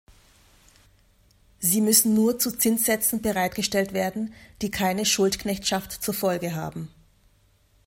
Sie müssen nur zu Zinssätzen bereitgestellt werden, die keine Schuldknechtschaft zur Folge haben.